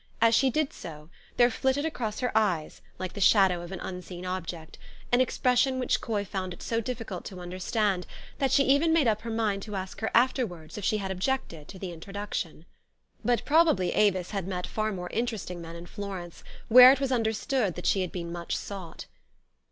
As she did so, there flitted across her eyes, like the shadow of an unseen object, an expression which Coy found it so difficult to understand, that she even made up her mind to ask her afterwards if she had objected to the introduction. But probably Avis had met far more interesting men in Florence, where it was understood that she had been much sought.